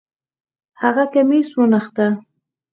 هغې کميس ونغښتۀ